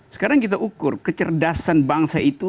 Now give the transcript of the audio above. sekarang kita ukur kecerdasan bangsa itu